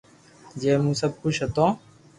جي مون سب خوݾ ھتو